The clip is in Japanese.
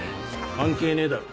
関係ねえだろ。